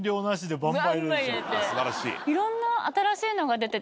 素晴らしい。